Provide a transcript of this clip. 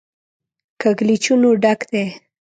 کږلېچونو ډک دی.